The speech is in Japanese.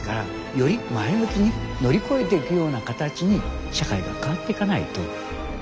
より前向きに乗り越えていくような形に社会が変わっていかないと。